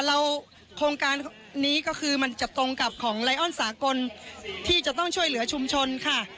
โครงการนี้ก็คือมันจะตรงกับของไลออนสากลที่จะต้องช่วยเหลือชุมชนค่ะ